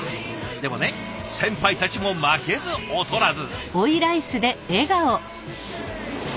でもね先輩たちも負けず劣らず。